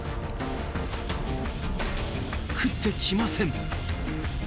食ってきません。